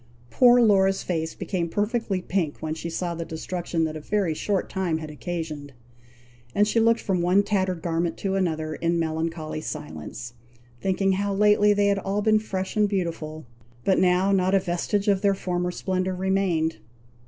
Poor Laura's face became perfectly pink when she saw the destruction that a very short time had occasioned: and she looked from one tattered garment to another, in melancholy silence, thinking how lately they had all been fresh and beautiful; but now not a vestige of their former splendour remained.